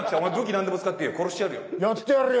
何でも使っていいよ殺してやるよやってやるよ